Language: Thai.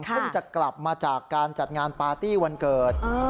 เพิ่งจะกลับมาจากการจัดงานปาร์ตี้วันเกิด